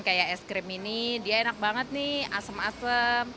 kayak es krim ini dia enak banget nih asem asem